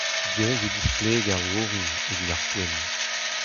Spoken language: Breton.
Diaes eo displegañ o orin evit ar poent.